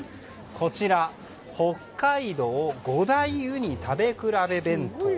こちら北海道五大うに食べ比べ弁当。